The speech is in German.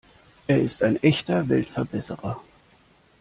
Er ist ein echter Weltverbesserer.